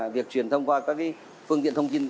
việc truyền thông qua các phương tiện thông tin